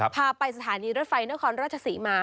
พาไปสถานีรถไฟนครราชศรีมา